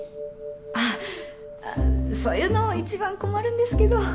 あっそういうのいちばん困るんですけど。